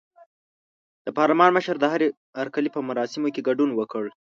د پارلمان مشر د هرکلي په مراسمو کې ګډون وکړ.